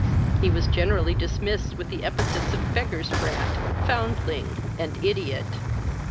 He was generally dismissed with the epithets of beggar's brat, foundling, and ideot."